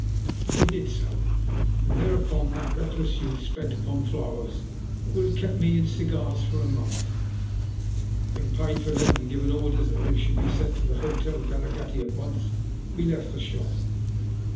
We did so, and thereupon that reckless youth spent upon flowers what would have kept me in cigars for a month. Having paid for them and given orders that they should be sent to the Hotel Galaghetti at once, we left the shop.